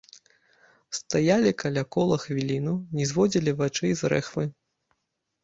Стаялі каля кола хвіліну, не зводзілі вачэй з рэхвы.